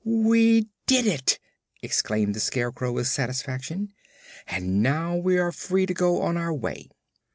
"We did it!" exclaimed the Scarecrow, with satisfaction. "And now we are free to go on our way."